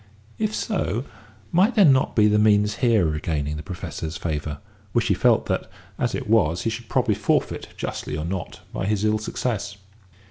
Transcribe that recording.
If so, might there not be the means here of regaining the Professor's favour, which he felt that, as it was, he should probably forfeit, justly or not, by his ill success?